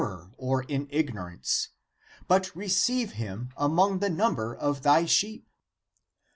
ACTS OF PETER 'J'J or in ignorance ; but receive him among the number of thy sheep.